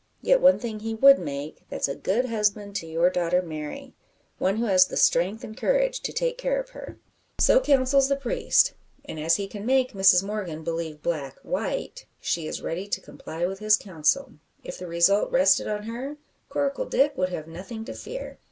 Yet, one thing he would make that's a good husband to your daughter Mary one who has the strength and courage to take care of her." So counsels the priest; and as he can make Mrs Morgan believe black white, she is ready to comply with his counsel. If the result rested on her, Coracle Dick would have nothing to fear.